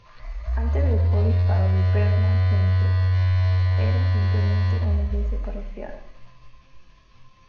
Antes del obispado de Bernard Hubert, era simplemente una iglesia parroquial.